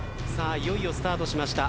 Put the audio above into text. いよいよスタートしました。